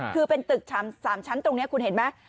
คือเป็นตึก๓ชั้นตรงนี้คุณเห็นไหม